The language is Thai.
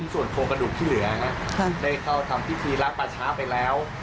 ส่วนโทรกระดูกที่เหลือนะครับได้เข้าทำพิธีรักประชาไปแล้ว